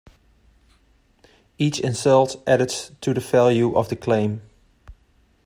Each insult added to the value of the claim.